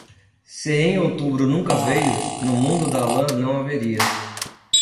Se em outubro nunca veio, no mundo da lã não haveria.